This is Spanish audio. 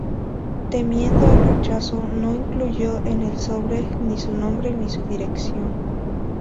Temiendo el rechazo, no incluyó en el sobre ni su nombre ni su dirección.